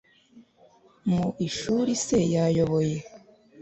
Mu ishuri se yayoboye